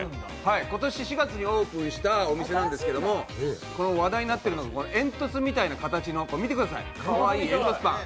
今年４月にオープンしたお店なんですけれども、話題になっているのが煙突みたいな形の、煙突パン。